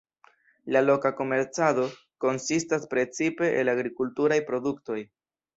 La loka komercado konsistas precipe el agrikulturaj produktoj.